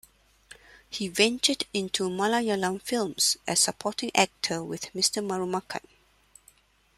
He ventured into Malayalam films as supporting actor with Mr Marumakan.